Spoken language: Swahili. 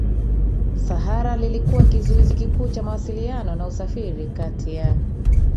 Sahara lilikuwa kizuizi kikuu cha mawasiliano na usafiri kati ya